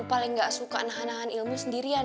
paling gak suka nahan nahan ilmu sendirian